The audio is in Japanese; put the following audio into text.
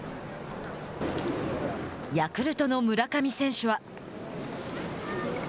ヤクルトの村上選手は。